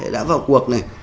đã vào cuộc này